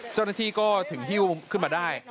เจ้าหน้าที่ก็ถึงฮิ้วขึ้นมาได้